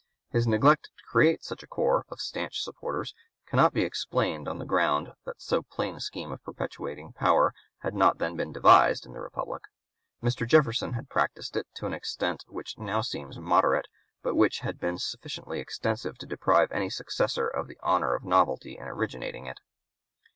His neglect to create such a corps of stanch supporters cannot be explained on the ground that so plain a scheme of perpetuating power had not then (p. 198) been devised in the Republic. Mr. Jefferson had practised it, to an extent which now seems moderate, but which had been sufficiently extensive to deprive any successor of the honor of novelty in originating it.